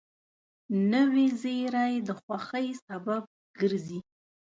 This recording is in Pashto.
نوې زېری د خوښۍ سبب ګرځي